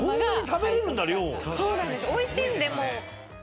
おいしいんでもう。